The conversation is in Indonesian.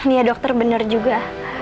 iya dokter bener juga